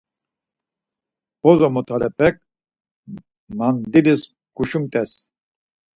Bozomotalepek mandilis guşumt̆es.